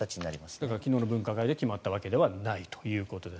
だから昨日の分科会で決まったわけではないということです。